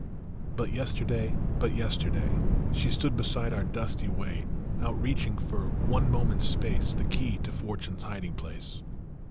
UT yesterday, but yesterday, She stood beside our dusty way, Outreaching for one moment s space The key to fortune s hiding place.